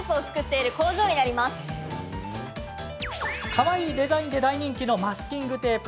かわいいデザインで大人気のマスキングテープ。